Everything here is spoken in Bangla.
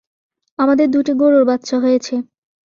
আমাদের দুটি গরুর বাচ্চা হয়েছে।